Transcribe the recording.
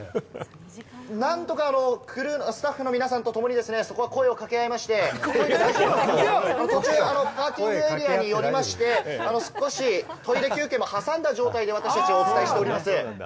何とかスタッフの皆さんとともに何とか声をかけ合いまして、途中パーキングエリアに寄りまして、少しトイレ休憩も挟んだ状況で私たち、お伝えしています。